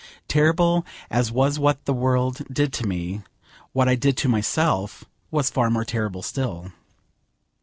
Terrible as was what the world did to me, what I did to myself was far more terrible still.